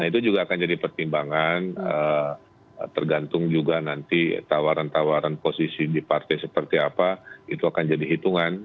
nah itu juga akan jadi pertimbangan tergantung juga nanti tawaran tawaran posisi di partai seperti apa itu akan jadi hitungan